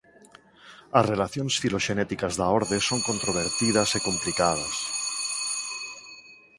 As relacións filoxenéticas da orde son controvertidas e complicadas.